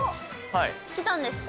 来たんですか？